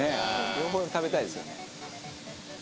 両方食べたいですよね